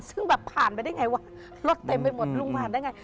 ซึ่งแบบผ่านไปได้ไงวะรถเต็มไปหมดลุงผ่านได้ไง